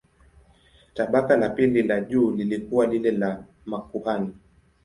Tabaka la pili la juu lilikuwa lile la makuhani.